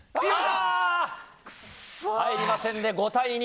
入りませんので５対２。